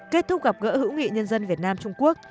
kết thúc gặp gỡ hữu nghị nhân dân việt nam trung quốc